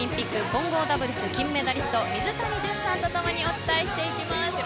混合ダブルス金メダリスト水谷隼さんと共にお伝えしていきます。